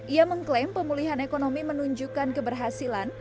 ia mengklaim pemulihan ekonomi menunjukkan keberhasilan